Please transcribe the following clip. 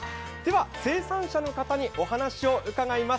生産者の方にお話を伺います。